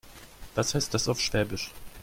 Was heißt das auf Schwäbisch?